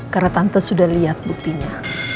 karena tante sudah lihat buktinya